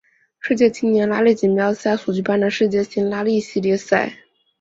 世界青年拉力锦标赛所举办的世界性拉力系列赛。